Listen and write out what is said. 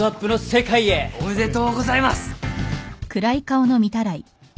おめでとうございます！